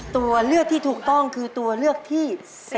ตัวเลือกที่ถูกต้องคือตัวเลือกที่๔